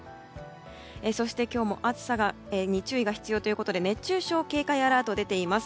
そして、今日も暑さに注意が必要ということで熱中症警戒アラートが出ています。